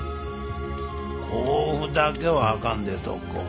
甲府だけはあかんで徳子！